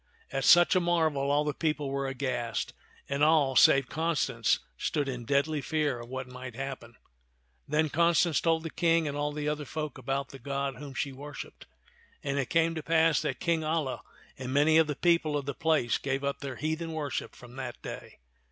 At such a marvel all the people were aghast, and all save Constance stood in deadly fear of what might happen. Then Constance told the King and all the other folk about the God whom she worshiped ; and it came to pass that King Alia and many of the people of the place gave up their heathen worship from that day.